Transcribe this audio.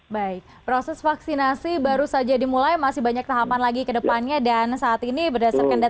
baik proses vaksinasi baru saja dimulai masih banyak tahapan lagi kedepannya dan saat ini berdasarkan data